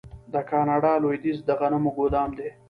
د کاناډا لویدیځ د غنمو ګدام دی.